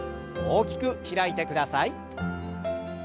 大きく開いてください。